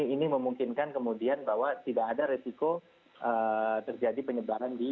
ini memungkinkan kemudian bahwa tidak ada resiko terjadi penyebaran di